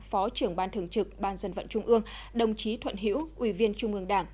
phó trưởng ban thường trực ban dân vận trung ương đồng chí thuận hiễu ủy viên trung ương đảng